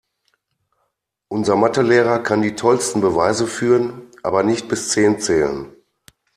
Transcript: Unser Mathe-Lehrer kann die tollsten Beweise führen, aber nicht bis zehn zählen.